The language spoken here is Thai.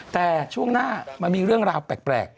แต่ช่วงหน้ามันมีเรื่องราวแปลก